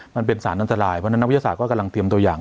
มันเป็นสารอันตรายเพราะฉะนั้นนักวิทยาศาสตร์ก็กำลังเตรียมตัวอย่าง